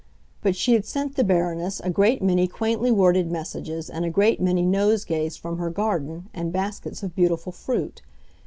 But she had sent the Baroness a great many quaintly worded messages and a great many nosegays from her garden and baskets of beautiful fruit.